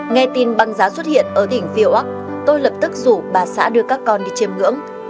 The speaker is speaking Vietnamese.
nghe tin băng giá xuất hiện ở đỉnh phiêu ốc tôi lập tức rủ bà xã đưa các con đi chiêm ngưỡng